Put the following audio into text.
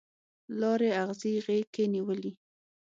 لارې اغزي غیږ کې نیولي